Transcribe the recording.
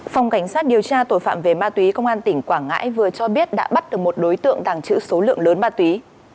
phòng cảnh sát điều tra tội phạm về ma túy công an tỉnh quảng ngãi vừa cho biết đã bắt được một đối tượng tàng trữ số lượng lớn ma túy